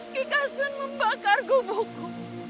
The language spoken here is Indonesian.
kikasun membakar gubuku